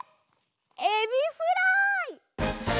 エビフライ！